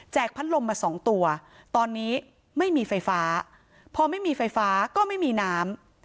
พัดลมมาสองตัวตอนนี้ไม่มีไฟฟ้าพอไม่มีไฟฟ้าก็ไม่มีน้ำ